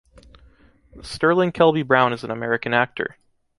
Sterling Kelby Brown is an American actor.